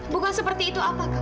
bukan seperti itu apa